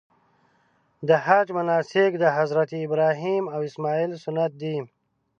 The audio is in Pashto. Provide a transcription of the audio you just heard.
د حج مناسک د حضرت ابراهیم او اسماعیل سنت دي.